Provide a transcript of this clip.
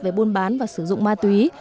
về buôn bán và sử dụng ma túy